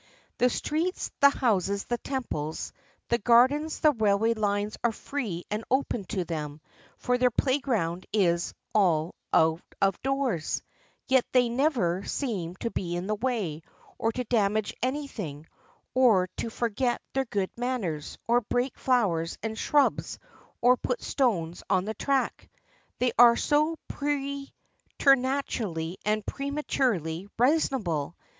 The streets, the houses, the temples, the gardens, the railway lines are free and open to them, for their playground is "all out of doors"; yet they never seem to be in the way, or to damage anything, or to forget their good manners, or break flowers and shrubs, or put stones on the track. They are so preternaturally and prematurely reasonable!